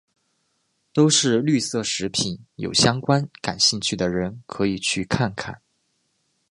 都是绿色食品有相关感兴趣的人可以去看看。